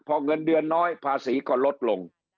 พอเงินเดือนน้อยภาษีก็ลดลง